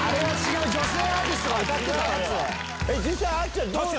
実際あっちゃんどうなの？